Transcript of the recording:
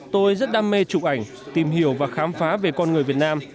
tôi rất đam mê chụp ảnh tìm hiểu và khám phá về con người việt nam